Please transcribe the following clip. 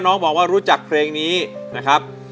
น้องบอกว่ารู้จักเพลงนี้นะครับ